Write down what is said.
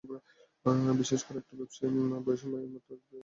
বিশেষ করে একটু বেশি বয়সী মায়ের জন্য তো এটি খুবই প্রয়োজন।